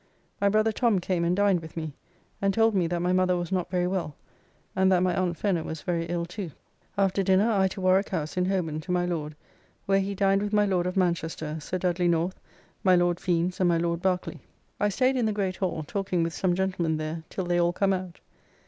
My brother Tom came and dined with me, and told me that my mother was not very well, and that my Aunt Fenner was very ill too. After dinner I to Warwick House, in Holborn, to my Lord, where he dined with my Lord of Manchester, Sir Dudley North, my Lord Fiennes, and my Lord Barkly. I staid in the great hall, talking with some gentlemen there, till they all come out.